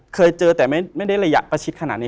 เคยเจอแต่ไม่ได้ระยะประชิดขนาดนี้